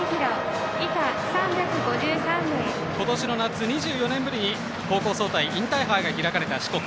今年の夏、２４年ぶりに高校総体インターハイが開かれた四国。